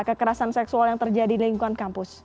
kekerasan seksual yang terjadi di lingkungan kampus